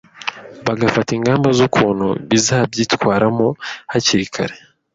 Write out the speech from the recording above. bagafata ingamba z’ukuntu bazabyitwaramo hakiri kare.